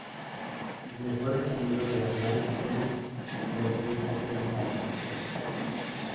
Sus mejores amigos eran Mike Young y la estudiosa Jane Harris.